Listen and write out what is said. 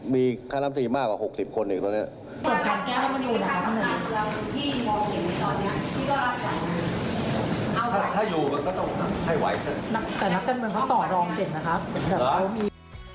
มีคณะลำตีมากกว่า๖๐คนอีกตอนนี้